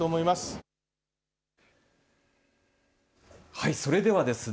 はい、それではですね